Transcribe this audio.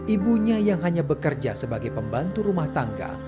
ibunya yang hanya bekerja sebagai pembantu rumah tangga